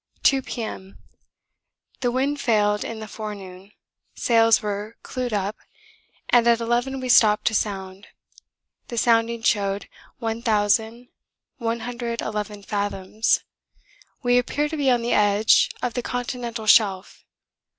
2 P.M. The wind failed in the forenoon. Sails were clewed up, and at eleven we stopped to sound. The sounding showed 1111 fathoms we appear to be on the edge of the continental shelf.